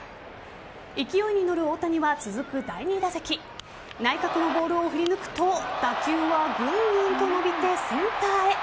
勢いに乗る大谷は、続く第２打席内角のボールを振り抜くと打球はぐんぐんと伸びてセンターへ。